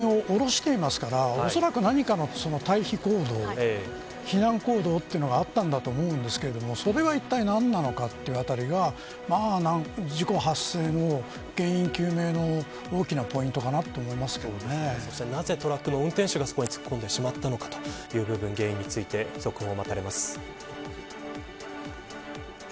バスに乗っていた人たち全員を降ろしていますからおそらく何かの退避行動避難行動があったんだと思うんですけどそれは、いったい何なのかというあたりが事故発生の原因究明の大きなポイントかなとなぜトラックの運転手がそこに突っ込んでしまったのかという部分原因について続報が待たれます。